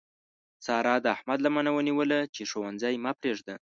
سارا د احمد لمنه ونیوله چې ښوونځی مه پرېږده.